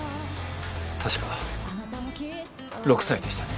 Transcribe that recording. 確か６歳でしたね。